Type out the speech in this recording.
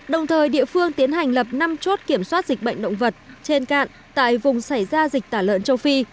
đồng thời địa phương tiến hành lập năm chốt kiểm soát dịch bệnh động vật trên cạn tại vùng xảy ra dịch tả lợn châu phi